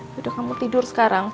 yaudah kamu tidur sekarang